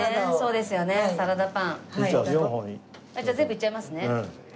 全部いっちゃいますね。